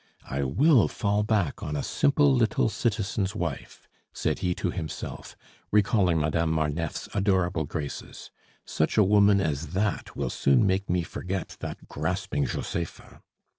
"I will fall back on a simple little citizen's wife," said he to himself, recalling Madame Marneffe's adorable graces. "Such a woman as that will soon make me forget that grasping Josepha."